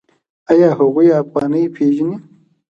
آیا هغوی افغانۍ پیژني؟